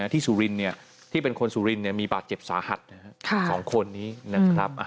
สุรินที่เป็นคนสุรินทร์มีบาดเจ็บสาหัส๒คนนี้นะครับ